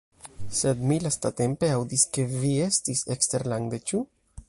Sed mi lastatempe aŭdis ke vi estis eksterlande, ĉu?